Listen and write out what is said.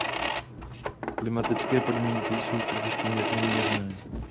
Klimatické podmínky jsou tudíž poměrně mírné.